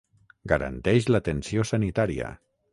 Garanteix l'atenció sanitària.